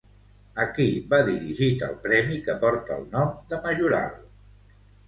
A qui va dirigit el premi que porta el nom de Majoral?